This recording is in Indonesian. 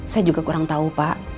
saya juga kurang tahu pak